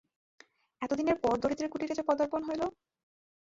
এত দিনের পর দরিদ্রের কুটিরে যে পদার্পণ হইল?